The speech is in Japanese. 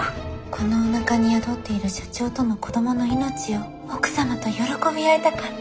このおなかに宿っている社長との子どもの命を奥様と喜び合いたかった。